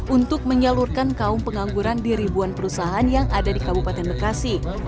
untuk menyalurkan kaum pengangguran di ribuan perusahaan yang ada di kabupaten bekasi